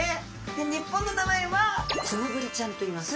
で日本の名前はツムブリちゃんといいます。